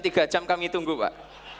tiga jam kami tunggu pak